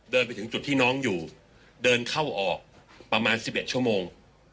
เดินไปถึงจุดที่น้องอยู่เดินเข้าออกประมาณ๑๑ชั่วโมง